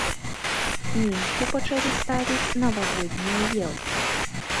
Мінску пачалі ставіць навагоднія елкі.